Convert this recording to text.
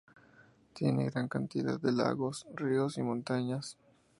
Tiene gran cantidad de lagos, ríos y montañas.